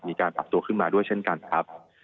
มีการปรับตัวขึ้นมาด้วยเช่นกันครับ